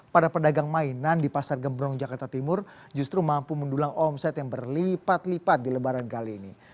para pedagang mainan di pasar gembrong jakarta timur justru mampu mendulang omset yang berlipat lipat di lebaran kali ini